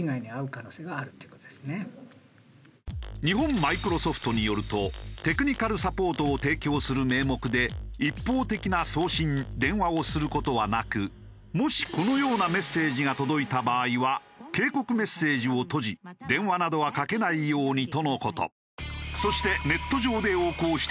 日本マイクロソフトによるとテクニカルサポートを提供する名目で一方的な送信電話をする事はなくもしこのようなメッセージが届いた場合は警告メッセージを閉じ電話などはかけないようにとの事。